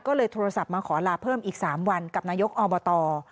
ก็เลยโทรศัพท์มาขอลาเพิ่มอีก๓วันกับนายกอบต